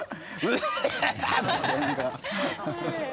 つって何か。